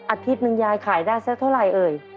อาทิตย์หนึ่งยายขายได้สักเท่าไหร่เอ่ย